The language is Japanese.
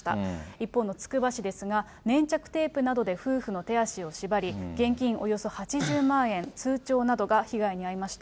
一方のつくば市ですが、粘着テープなどで夫婦の手足を縛り、現金およそ８０万円、通帳などが被害に遭いました。